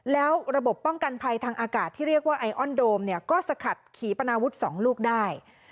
แล้วระบบป้องกันภัยทางอากาศที่เรียกว่าไอออนโดมเนี่ยก็สกัดขี่ปนาวุฒิ๒ลูกได้